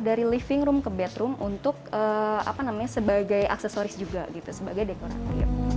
dari living room ke bedroom untuk sebagai aksesoris juga sebagai dekoratif